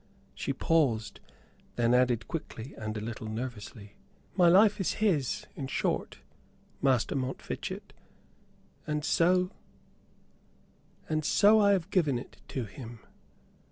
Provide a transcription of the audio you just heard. She paused; then added quickly and a little nervously: "My life is his, in short, Master Montfichet, and so and so I have given it to him.